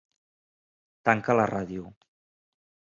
Tanca la ràdio.